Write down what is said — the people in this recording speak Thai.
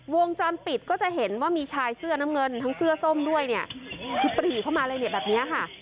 วงจรปิดก็จะเห็นว่ามีชายเสื้อน้ำเงินทั้งเสื้อส้มด้วยเนี่ยคือปรีเข้ามาเลยเนี่ยแบบเนี้ยค่ะ